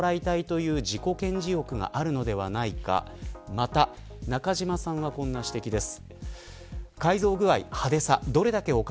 また、中島さんはこういった指摘です。